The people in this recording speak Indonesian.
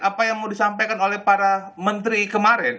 apa yang mau disampaikan oleh para menteri kemarin